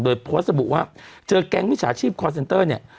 โดยเพราะสมมุติว่าเจอแก๊งวิชาชีพคอร์นเซ็นเตอร์เนี่ย